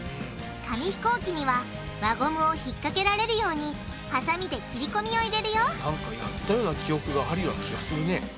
紙ひこうきには輪ゴムを引っ掛けられるようにハサミで切り込みを入れるよなんかやったような記憶があるような気がするね。